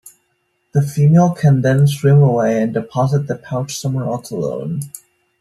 The female can then swim away and deposit the pouch somewhere else alone.